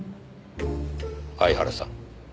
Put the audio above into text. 相原さん。